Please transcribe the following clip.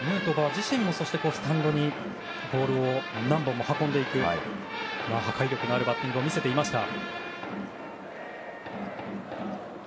自身もスタンドにボールを何本も運んでいく破壊力のあるバッティングを見せていました。